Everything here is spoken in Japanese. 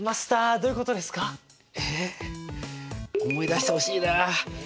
えっ思い出してほしいな。